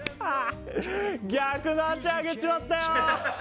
逆の足あげちまったよ。